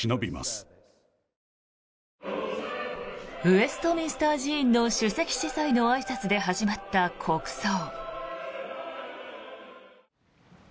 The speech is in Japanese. ウェストミンスター寺院の首席司祭のあいさつで始まった国葬。